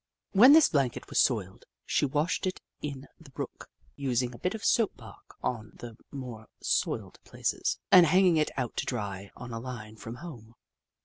When this blanket was soiled, she washed it in the brook, using a bit of soap bark on the more soiled places, and hanging it out to dry on a line from home.